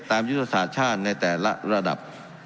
ยุทธศาสตร์ชาติในแต่ละระดับ